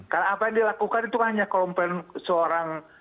karena apa yang dilakukan itu kan hanya komplain seorang